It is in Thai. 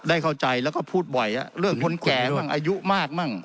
เข้าใจแล้วก็พูดบ่อยเรื่องคนแก่มั่งอายุมากมั่ง